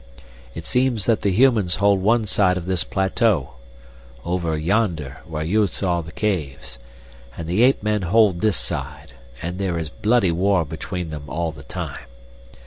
It seems that the humans hold one side of this plateau over yonder, where you saw the caves and the ape men hold this side, and there is bloody war between them all the time.